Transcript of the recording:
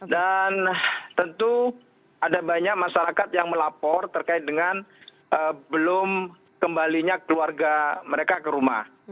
dan tentu ada banyak masyarakat yang melapor terkait dengan belum kembalinya keluarga mereka ke rumah